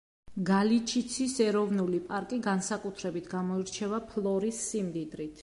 გალიჩიცის ეროვნული პარკი განსაკუთრებით გამოირჩევა ფლორის სიმდიდრით.